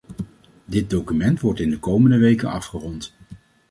Dit document wordt in de komende weken afgerond.